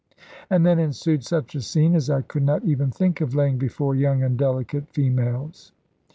And then ensued such a scene as I could not even think of laying before young and delicate females.